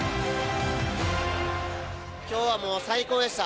きょうはもう最高でした。